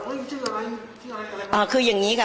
มันจะมีตัวแบบโหยว่าอะไรคืออย่างงี้ค่ะ